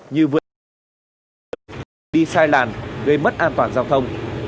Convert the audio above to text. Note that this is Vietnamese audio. như vừa trước đi sai làn gây mất an toàn giao thông